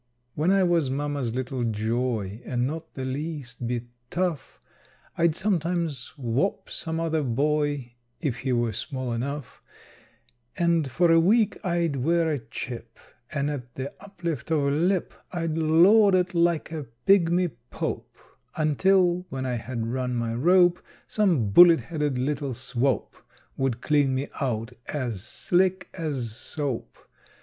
When I was mamma's little joy And not the least bit tough, I'd sometimes whop some other boy (If he were small enough), And for a week I'd wear a chip, And at the uplift of a lip I'd lord it like a pigmy pope, Until, when I had run my rope, Some bullet headed little Swope Would clean me out as slick as soap.